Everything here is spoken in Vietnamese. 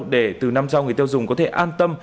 để từ năm sau người tiêu dùng có thể an tâm